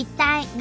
何？